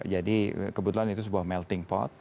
jadi kebetulan itu sebuah melting pot